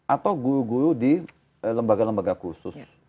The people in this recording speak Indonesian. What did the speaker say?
atau guru guru di lembaga lembaga khusus